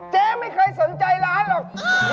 เจ๊ไม่เคยสนใจร้านหรอก